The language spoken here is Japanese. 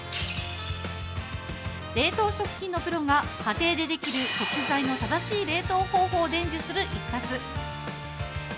冷凍食品のプロが家庭でできる食材の正しい冷凍方法を伝授する１冊。